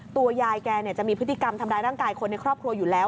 ตัวยายแกจะมีพฤติกรรมทำร้ายร่างกายคนในครอบครัวอยู่แล้ว